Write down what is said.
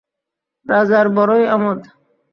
রাজার বড়োই আমোদ।